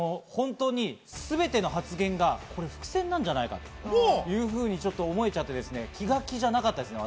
全ての発言が伏線なんじゃないかと思えちゃって、気が気じゃなかったですね。